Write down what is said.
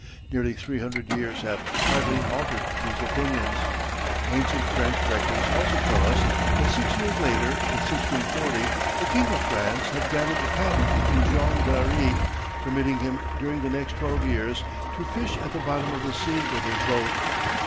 Nearly three hundred years have hardly altered these opinions. Ancient French records also tell us that six years later, in 1640, the King of France had granted a patent to Jean Barrié, permitting him during the next twelve years to fish at the bottom of the sea with his boat.